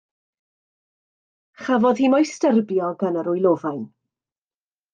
Chafodd hi mo'i styrbio gan yr wylofain.